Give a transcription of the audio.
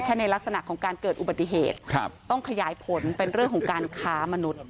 ในลักษณะของการเกิดอุบัติเหตุครับต้องขยายผลเป็นเรื่องของการค้ามนุษย์